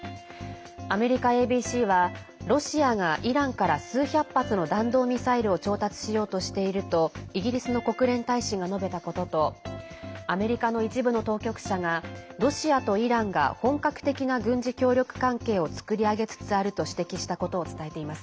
アメリカＡＢＣはロシアがイランから数百発の弾道ミサイルを調達しようとしているとイギリスの国連大使が述べたこととアメリカの一部の当局者がロシアとイランが本格的な軍事協力関係を作り上げつつあると指摘したことを伝えています。